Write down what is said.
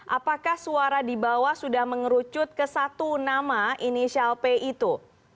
apakah suara di bawah sudah mengerucut ke satu nama inisial p itu